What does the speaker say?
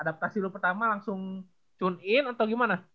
adaptasi dulu pertama langsung tune in atau gimana